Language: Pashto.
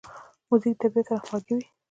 موزیک د طبیعت سره همغږی وي.